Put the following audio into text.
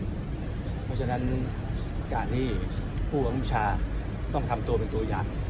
เพราะฉะนั้นการที่ผู้บังคับชาต้องทำตัวเป็นตัวอย่าง